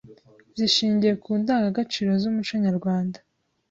zishingiye ku ndangagaciro z’umuco Nyarwanda.